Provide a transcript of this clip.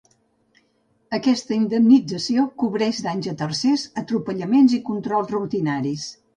Aquesta indemnització cobreix danys a tercers, atropellaments i controls rutinaris.